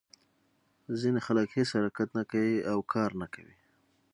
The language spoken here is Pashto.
ځینې خلک هېڅ حرکت نه کوي او کار نه کوي.